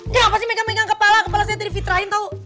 kenapa sih mereka megang kepala kepala saya tadi fitrain tau